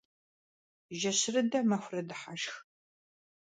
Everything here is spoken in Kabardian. Jjeşırıde maxuerıdıheşşx.